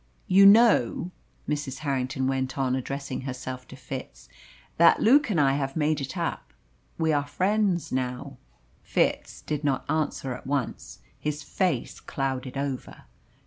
"You know," Mrs. Harrington went on, addressing herself to Fitz, "that Luke and I have made it up. We are friends now." Fitz did not answer at once. His face clouded over.